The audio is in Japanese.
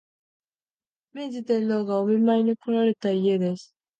明治天皇がお見舞いにこられた家です